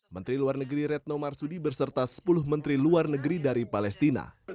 menteri luar negeri retno marsudi berserta sepuluh menteri luar negeri dari palestina